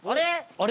あれ？